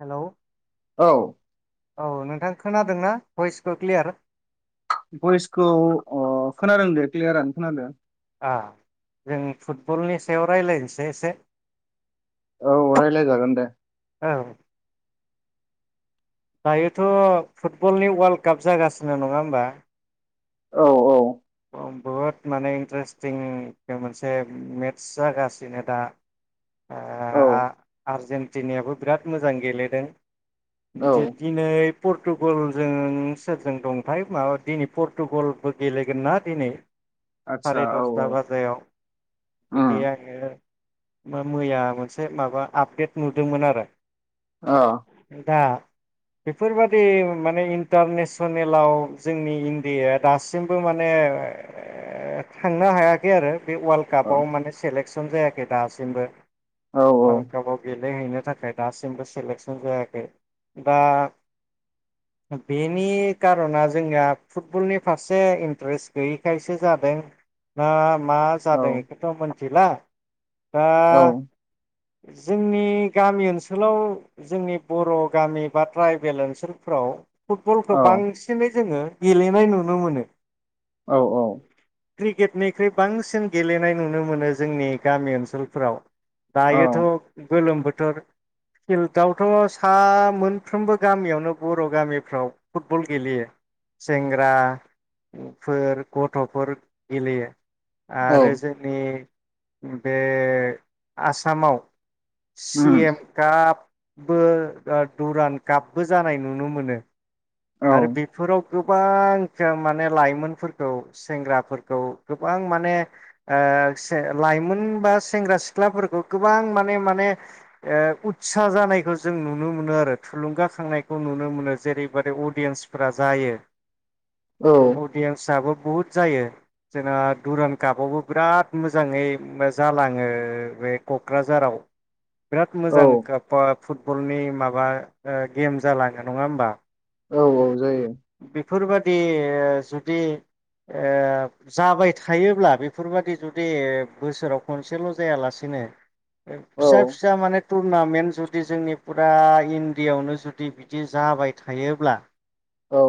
Hello औ औ नोंथां खोनादोंना भइसखो क्लियार भइसखौ अ खोनादों दे क्लियारानो खोनादो। आह जों फुटबलनि सायाव रायलायनोसै एसे औ रायलाय जागोन दे। औ दायोथ फुटबलनि वाल काप जागासिनो नंङा होमबा? औ औ औ बुहुत माने इन्ट्रेस्टिं मोनसे मेटस जागासिनो दा ओ औ आरजेन टि नि आबो बिराद मोजां गेलेदों। दि औ दिनै पर्टुगल जों सोरजों दंथाय माबा दिनै पर्टुगलबो गेलेगोन ना दिनै आतसा सारे औ दसटा औ बाजायाव बिदि उम आंङो मो मैया मोनसे माबा आपडेट नुदोंमोन आरो। अ दा बेफोरबादि माने इन्टारनेसनेलाव जोंनि इण्डियाया दासिमबो माने थांनो हायाखै आरो बे वाल अ कापाव माने सेलेक सन जायाखै दासिमबो औ वाल काबाव गेले हैनो थाखाय दासिमबो सेलेकसन जायाखै, बा बेनि कारना जोंनिया फुटबलनि फारसे इन्ट्रेस्ट गैयिखायसो जादों ना मा जादों औ इखौथ मोन थिला दा औ औ जोंनि गामि ओनसोलाव जोंनि बर' गामि बा ट्राइबेल ओनसोलफ्राव फुटबलखो बांसिनै जोंङो गेलेनाय नुनो मोनो। औ औ क्रिकेटनिख्रुइ बांसिन गेलेनाय नुनो मोनो जोंनि गामि ओनसोलफोराव दायोथ औ गोलोम बो थोर फिल्डआवथ सा मोनफ्रोमबो गामियावनो बर गामिफ्राव फुटबल गेलेयो। सेंग्रा फोर गथफोर गेलेयो औ आरो जोंनि बे आसामाव सि उम एम काप बो ओ दुरान कापबो जानाय नुनो मोनो औ आरो बेफोराव गोबां जा माने लाइमोनफोरखौ सेंग्राफोरखौ गोबां माने ओ से लाइमोन बा सेंग्रा सिख्लाफोरखौ गोबां माने माने ओ उत्सा जानायखौ जों नुनो मोनो आरो थुलुंगाखांनायखौ नुनो मोनो जेरैबादि अ डियेन्सफोरा जायो औ अदिएन्साबो बुहुत जायो जोंना दुरान् कापावबो बिराद मोजाङै जालाङो बे कक्राझाराव। बिराद मोजां औ कपाब। फुटबलनि माबा गेम जालाङो नङा होमबा। औ-औ जायो। बेफोरबादि जुदि ओ जाबाय थायोब्ला बेफोरबाददि जुदि बोसोराव खनसेल जायालासेनो। औ फिसा-फिसा माने। टुरनामेन्ट जुदि जोंनि फुरा इण्डियाआवनो जुदि बिदि जाबाय थायोब्ला। औ।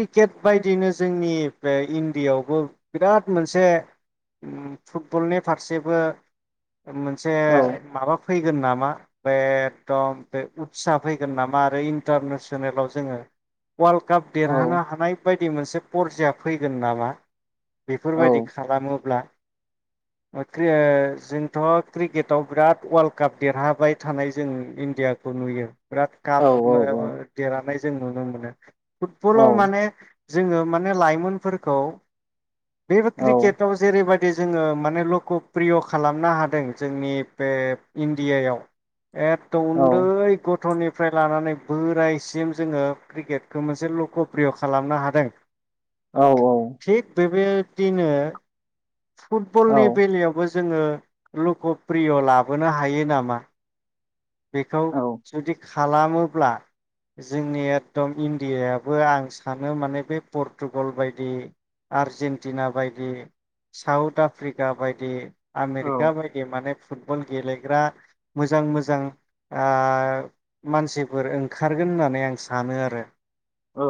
क्रिकेट बायदिनो जोंनि बे इण्डियाायावबो बिराद मोनसे फुटबलनि फारसेबो। मोनसे औ औ माबा। फैगोन नामा बे एकदम बे उत्सा फैगोन नामा आरो इन्टारनेसनेलाव जोङो। वर्ल्ड काप देरहानो हानाय बायदि। बिदि मोनसे परजिया फैगोन नामा। बेफोरबायदि औ खालामोब्ला। माथो जोंथ क्रिकेटाव बिराद वर्ल्ड काप देरहाबाय थानाय जों इण्डियाखौ नुयो। बिराद काब देरहानाय। जों नुनो मोनो। नों फुटबलाव माने। जोङो माने लाइमोनफोरखौ। बेबो क्रिकेटाव जेरै बायदि। दि जोङो माने लक प्रिय खालामनो हादों जोंनि बे इण्डियआव। एथ उन्दै गथनि। निफ्राय लानानै बोरायसिम जोङो। क्रिकेटखौ मोनसे लक'प्रिय खालामनो हादों। औ-औ बेदिनो फुटबलनि बेलायावबोजों। जोङो लुक प्रिय लाबोनो हायो नामा? बेखौ जुदि। खालामोब्ला जोंनि एकदम इण्डियाबो आं सानो माने बे पर्टुगाल बायदि आर्जेेनटिना बायदि साउथ आफ्रिका बायदि। औ आमेरका बायदि माने। फुटबल गेलेग्रा मोजां-मोजां। ओ मानसिफोर ओंखारगोन होननानै आं सानो आरो। औ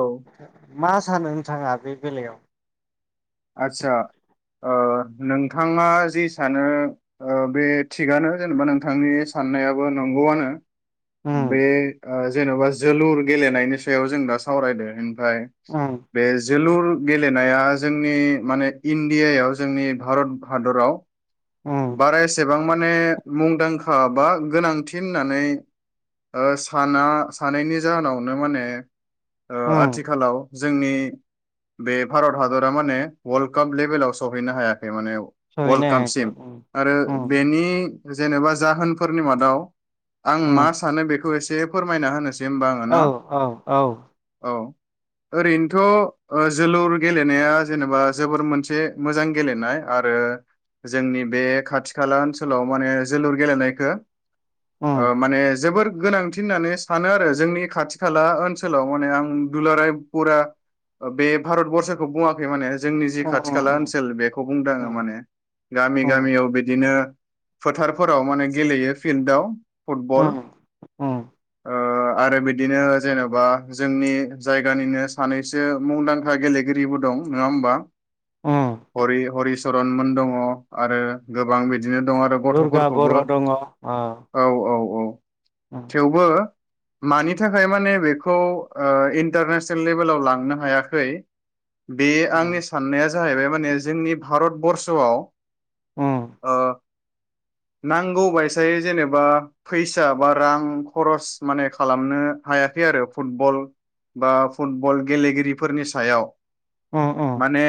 मा सानो नोंथाङा बे बेलायाव आदसा नोंथाङा जि सानो बे थिगानो जेनेबा नोंथांनि साननायाबो नंगौआनो उम बे जेनबा जोलुर गेलेनायनि सायाव जों दा सावरायदों ओमफ्राय उम बे जोलुर गेलेनाया जोंनि माने इण्डियायाव जोंनि भारत हादराव उम बारा एसेबां माने मुंदांखा बा गोनांथि होननानै साना सानैनि जाहोनावनो माने उम आथिखालाव जोंनि बे भारत हादरा माने वर्ल्ड काप लेभेलाव सहैनो हायाखै माने वल्ड सहैनो हायाखै कापसिम उम आरो उम बेनि जेनेबा जाहोनफोरनि मादाव आं उम मा सानो बेखौ एसे फोरमायना होनोसै होमबा आङो न' औ औ औ औ ओरैनोथ जोलुर गेलेनाया जेनेबा जोबोर मोनसे मोजां गेलेनाय आरो जोंनि बे खाथि खाला ओनसोलाव माने जोलुर गेलेनायखौ उम माने जोबोर गोनांथि होननानै सानो आरो जोंनि खाथि खाला ओनसोलाव माने आं दुलाराय फुरा बे भारत बरसखौ बुङाखै माने जोंनि जि खाथि उम खाला उम ओनसोल बेखौ बुंदों आङो उम माने- गामि उम गामियाव बिदिनो बिदिनो फोथारफोराव माने गेलेयो फिल्डआव फुटबल उम उम ओम आरो बिदिनो जेनबा जोंनि जायगानिनो सानैसो मुंदांखा गेलेगिरिबो दं नङा होमबा? उम हरिचरनमोन दङ। [inaudible] आरो गोबां बिदिनो दं आरो दुर्गा गथफोरखौबो बर' दङ औ औ। औ औ। उम थेवबो मानि थाखाय माने बेखौ इन्टारनेसनेल लेभेलाव लांनो हायाखै बे आंनि उम साननाया जाहैबाय माने जोंनि भारतबर्सआव उम ओ नांगौ बायसायै जेनेबा फैसा बा रां खरस माने खालामनो हायाखै आरो फुटबल बा फुटबल गेलेगिरिफोरनि सायाव उम उम माने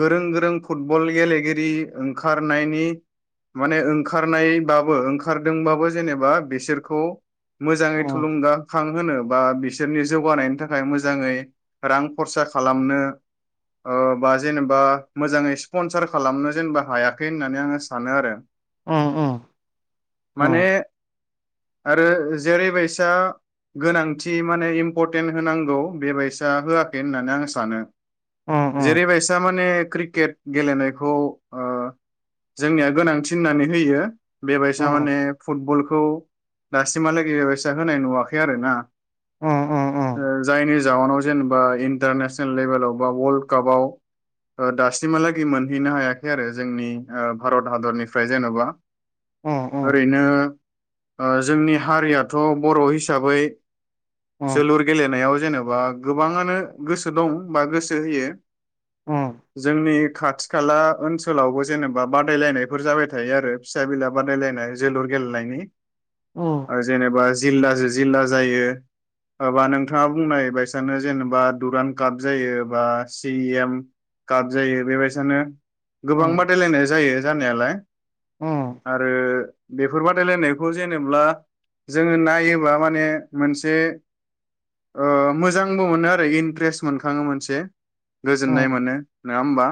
गोरों गोरों फुटबल गेलेगिरि ओंखारनायनि माने ओंखारनायबाबो ओंखारदोंबाबो जेनेबा बिसोरखौ मोजाङै उम थुलुंगाखां होनो बा बिसोरनि जौगानायनि थाखाय मोजाङै रां खरसा खालामनो बा जेनेबा मोजाङै स्पनसार खालामनो जेनेबा हायाखै होननानै आङो सानो आरो उम माने उम आरो जेरैबायसा गोनांथि माने इम्परटेन्ट होनांगौ बेबायसा होआखै होननानै आं सानो उम उम जेरैबायस थारमाने क्रिकेट गेलेनायखौ अ जोंनिया गोनांथि होननानै होयो बेबायसा उम माने फुटबल खौ दासिमहालागै बेबायसा होनाय नुवाखै आरो ना अ अ अ जायनि जाउनाव जेनेबा इन्टारनेसनेल लेभेलाव बा वाल्डकापाव दासिमहालागै मोनहैनो हायाखै। खै आरो जोंनि भारत हादरनिफ्राय जेन'बा उम ओरैनो जोंनि हारियाथ' बर' हिसाबै जोलुर गेलेनायाव जेन'बा गोबाङानो गोसो दं बा गोसो होयो जोंनि खाथि खाला ओनसोलावबो जेनेबा बादायलायनायफोर जाबाय थायो आरो फिसा बिला बादायलायनाय जोलुर गेलेनायनि आरो जेनेबा जिल्ला जि जिल्ला जायो एबा नोंथाङा बुंनाय बायसानो जेनेबा दुरान काप जायो बा सि एम काप जायो बेबायसानो गोबां बादायलायनाय जायो जानायालाय आरो बेफोर बादायलायनायखौ जेनेब्ला जोङो नायोबा माने मोनसे मोजांबो मोनो आरो इन्ट्रेस्ट मोनखाङो मोनसे गोजोननाय मोनो नङा होमबा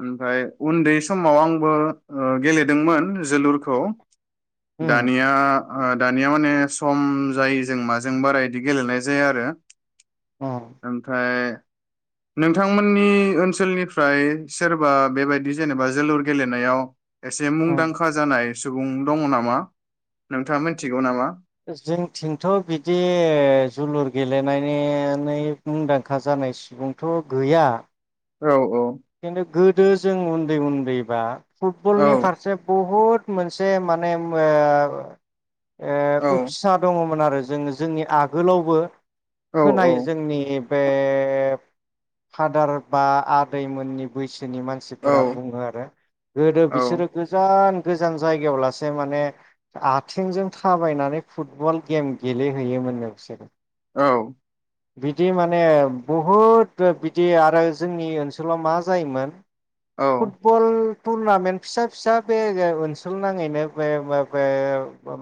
ओमफ्राय उन्दै समाव आंबो गेलेदोंमोन जोलुरखौ उम दानिया दानिया माने सम जायो जों माजों बारा इदि गेलेनाय जाया आरो आमफ्राय नोंथांमोननि ओनसोलनिफ्र फ्राय सोरबा बेबायदि जेनेबा जोलुर गेलेनायाव एसे उम मुंदांखा जानाय सुबुं दङ नामा नोंथाङा मोनथिगौ नामा जोंथिंथ' बिदि जोलुर गेलेनानै मुंदांखा जानाय सुबुंथ' गैया औ औ खिन्थु गोदो जों उन्दै उन्द दैबा औ फुटबलनि फारसे बुहुत मोनसे माने ओ औ उत्सा दङमोन आरो। आरो जोङो जोंनि आगोलावबो औ खोनायो जोंनि बे फादार बा दैमोननि बैसो औ मानसिफोरा बुङो आरो गोदो औ बिसोरो गोजान गोजान जायगायाव लासो माने आथिंजों थाबायनानै फुटबल गेम गेलेहैयोमोन बिसोरो औ। बिदि माने बहुद बिदि आरो जोंनि ओनसोलाव ओनसोलाव मा जायोमोन। फुटबल [inaudible] टुर्नामेन्ट फिसा फिसा बे ओनसोल नाङैनो बे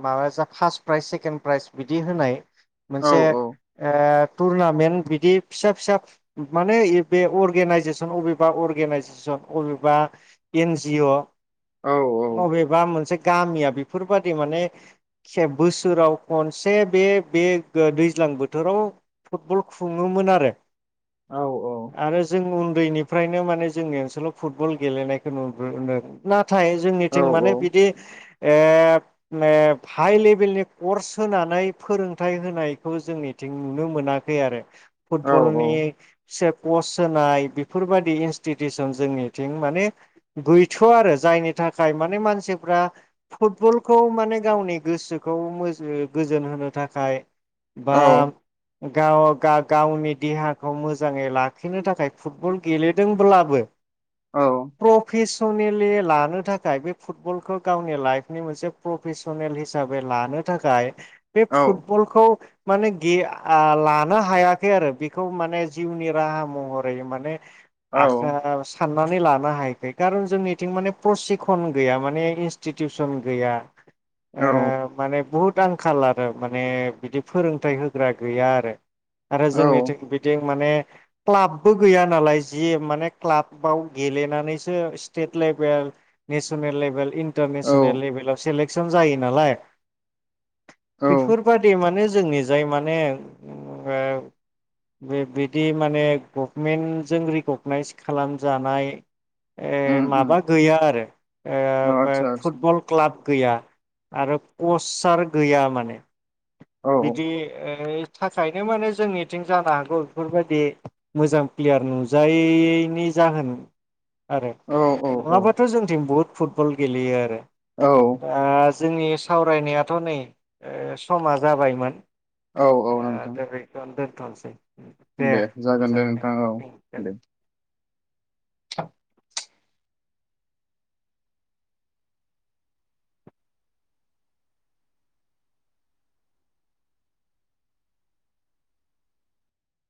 माबा जा फार्स प्राइज सेकेणड प्राइज बिदि होनाय औ मोनसे टुरनामेन्ट बिदि फिसा फिसा माने बे अर्गेनाइजेसन अबेबा अर्गेनाइजेसन अबेबा एनजिअ औ अबेबा मोनसे गामिया बेफोरबादि माने बोसोराव खनसे बे दैज्लां बोथोराव फुटबल खुङोमोन आरो औ आरो जों उन उन्दैनिफ्रायनो माने जोंनि ओनसोलाव फुटबल गेलेनायखौ नुदों नाथाय जोंनिथिं माने बिदि हाइ लेभेलनि कर्स होनानै फोरोंथाइ होनायखौ जोंनिथिं नुनो मोनाखै आरो फुटबलनि सेप पस होनाय बे फोरबायदि इनस्टिटिउसन जोंनिथिं माने गैथ'वा आरो जायनि थाखाय माने मानसिफ्रा फुटबलखौ माने गावनि गोसोखौ मोज-गोजोन होनो थाखाय बा गाव गा-गाव नि देहाखौ मोजांङै लाखिनो थाखाय फुट बल गेलेदोंब्लाबो औ प्रफिस सौनिलि लानो थाखाय बे फुटबलखौ गावनि लाइफनि मोनसे प्रफेसनेल हिसाबै लानो थाखाय बे फुटबलखौ माने गे आ लानो हायाखै आरो बेखौ माने जिउनि राहा महरै माने आखा साननानै लानो हायाखै खारन जोंनिथिं माने प्रसिखन गैया माने इन्स्टिटिउसन गैया। ओ माने बहुत दांखाल आरो माने बिदि फोरोंथाइ होग्रा गैया आरो। आरो जोंनिथिं बिदि माने क्लाबबो गैया नालाय जि माने क्लाबाव गेलेनानैसो state level national level international लेभेलाव सेलेक्ट थिसन जायो नालाय औ औ बेफोरबादि माने जोंनि जाय माने ओ बे बिदि माने गभमेन्ट जों रिकगनाइस खालामजानाय ए उम उम माबा गैया आरो अ ओ आतसा फोब आतसा फुटबल क्लाब गैया। आरो कचार गैया माने। औ बिदि ओ थाखायनो माने जोंनिथिं जानो हागौ बेफोरबायदि मोजां प्लेयार नुजायैनि जाहोन आरो औ औ नंङाबाथ' जोंनिथिं बुहुद फुटबल गेलेयो आरो। औ दा जोंनि सावरायनायाथ' नै समा जाबायमोन औ ओ औ नोंथां दा गैथवा दोन थनसै दे जागोन दे नोंथां औ दे गोन